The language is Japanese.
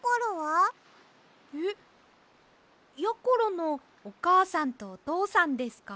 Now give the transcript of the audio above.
えっやころのおかあさんとおとうさんですか？